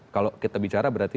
kalau kita bicara berarti